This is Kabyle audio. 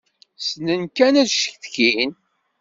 Ssnen kan ad ccetkin.